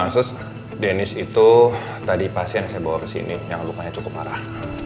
sus deniz itu tadi pasien yang saya bawa ke sini yang lupanya cukup parah